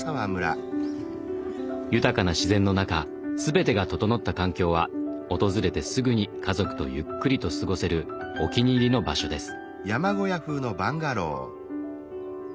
豊かな自然の中全てが整った環境は訪れてすぐに家族とゆっくりと過ごせるお気に入りの場所です。